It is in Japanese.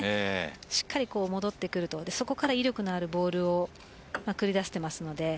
しっかりと戻ってくるとそこから威力のあるボールを繰り出しています。